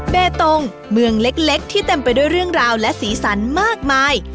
เบตงเมืองเล็กที่เต็มไปด้วยเรื่องราวและสีสันมากมาย